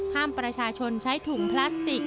ห้ามประชาชนใช้ถุงพลาสติก